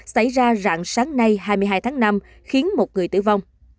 xảy ra rạng sáng nay hai mươi hai tháng năm khiến một người tử vong